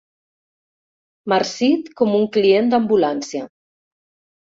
Marcit com un client d'ambulància.